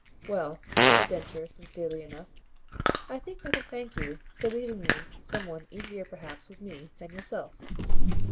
"Well," said Densher sincerely enough, "I think I can thank you for leaving me to some one easier perhaps with me than yourself."